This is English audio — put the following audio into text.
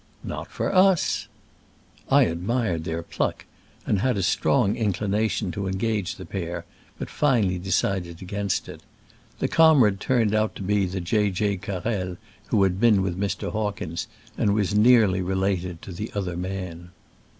"Not for usy I , ad mired their pluck, and had a strong inclination to engage the pair, but Tinal ly decided against it. The comrade turned out to be the J. J. Carrel who had been with Mr. Hawkins, and was nearly related to the other man.